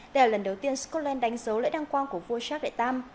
đây là lần đầu tiên scotland đánh dấu lễ đăng quang của vua jacques de tam